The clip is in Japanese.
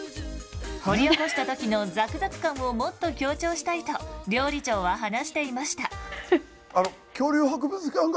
掘り起こした時のザクザク感をもっと強調したいと料理長は話していました。